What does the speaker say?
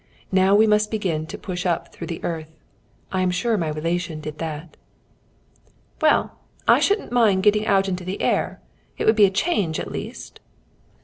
"Now we must begin to push up through the earth. I am sure my relation did that." "Well, I shouldn't mind getting out into the air. It would be a change at least."